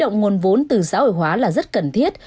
nguồn vốn từ xã hội hóa là rất cần thiết